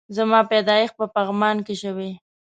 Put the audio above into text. زما پيدايښت په پغمان کی شوي